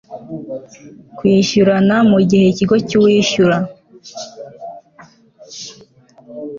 kwishyurana mugihe ikigo cy uwishyura